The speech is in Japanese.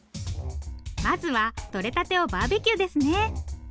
まずはとれたてをバーベキューですね。